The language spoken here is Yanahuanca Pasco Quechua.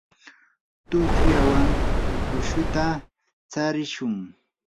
tuqllawan ukushuta tsarishun.